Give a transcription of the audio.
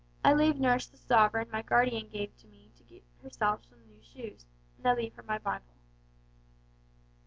I leave nurse the sovereign my guardian gave me to get herself some new shoes, and I leave her my Bible."